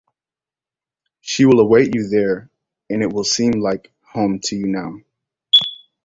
She will await you there and it will seem like home to you now.